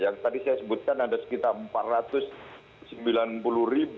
yang tadi saya sebutkan ada sekitar empat ratus sembilan puluh ribu